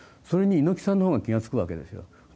それに猪木さんの方が気が付くわけですよ。